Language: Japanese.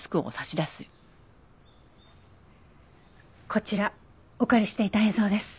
こちらお借りしていた映像です。